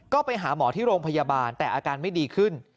ก็ไปหาหมอที่โรงพยาบาลแต่อาการไม่ดีขึ้น